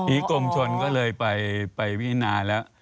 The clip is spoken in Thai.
อีกลมชนก็เลยไปพินาแล้ว